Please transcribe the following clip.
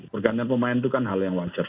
pergantian pemain itu kan hal yang wajar